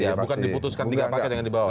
bukan diputuskan tiga paket yang dibawa ya